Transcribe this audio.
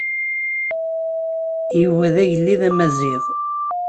Yuba d agellid Amaziɣ.